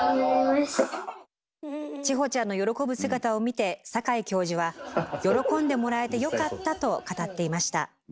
千穂ちゃんの喜ぶ姿を見て酒井教授は「喜んでもらえてよかった」と語っていました。